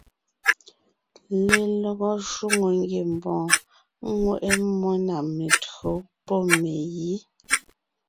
Lelɔgɔ shwòŋo ngiembɔɔn ŋweʼe mmó na mentÿǒ pɔ́ megǐ.